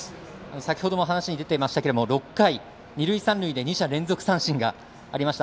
先ほども話にありましたが６回、二塁三塁で２者連続三振がありました。